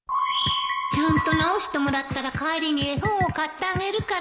ちゃんと治してもらったら帰りに絵本を買ってあげるからね